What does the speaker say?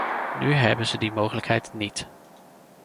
Nu hebben ze die mogelijkheid niet.